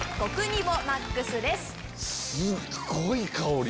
すっごい香り！